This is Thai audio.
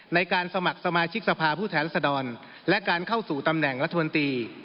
ในการสมัครสมาชิกสภาผู้แทนสดรและการเข้าสู่ตำแหน่งรัฐมนตรี